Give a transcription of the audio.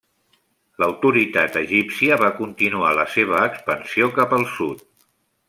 L'autoritat egípcia va continuar la seva expansió cap al sud.